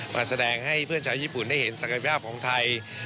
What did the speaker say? มาแสดงให้เพื่อนชาวญี่ปุ่นได้เห็นศักยภาพของไทย